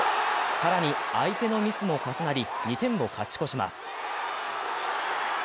更に相手のミスも重なり、２点を勝ち越します。